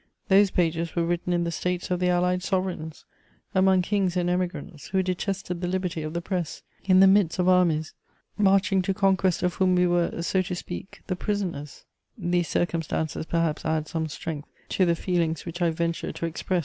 Those pages were written in the States of the allied sovereigns, among kings and Emigrants who detested the liberty of the press, in the midst of armies marching to conquest of whom we were, so to speak, the prisoners: these circumstances perhaps add some strength to the feelings which I venture to express.